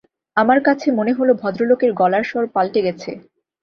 আমার কাছে মনে হল ভদ্রলোকের গলার স্বর পান্টে গেছে।